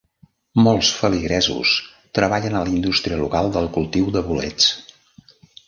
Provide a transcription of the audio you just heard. Molts feligresos treballen a la indústria local del cultiu de bolets.